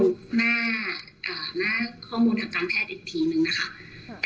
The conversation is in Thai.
อันนี้ต้องไปเช็คตรงข้อมูลหน้าข้อมูลทางการแพทย์อีกทีหนึ่งนะคะ